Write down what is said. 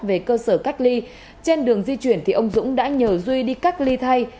về cơ sở cách ly trên đường di chuyển thì ông dũng đã nhờ duy đi cách ly thay